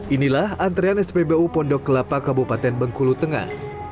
inilah antrean spbu pondok kelapa kabupaten bengkulu tengah